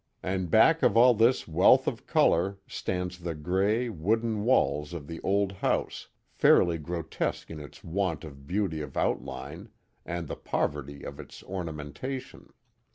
And back of all this wealth of color stands the gray, wooden walls of the old house, fairly gro tesque in its want of beauty of outline, and the poverty of its ornamentation.